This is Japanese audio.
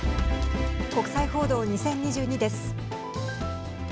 国際報道２０２２です。